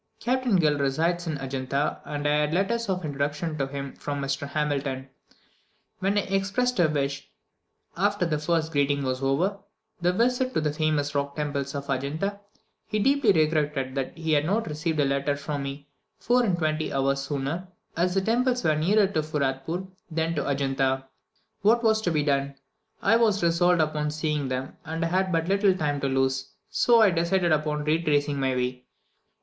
Captain Gill resides in Adjunta, and I had letters of introduction to him from Mr. Hamilton. When I expressed a wish, after the first greeting was over, to visit the famous rock temples of Adjunta, he deeply regretted that he had not received a letter from me four and twenty hours sooner, as the temples were nearer to Furdapoor than to Adjunta. What was to be done? I was resolved upon seeing them, and had but little time to lose, so I decided upon retracing my way.